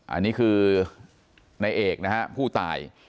อันนี้คือนายเอกนะครับผู้ตาย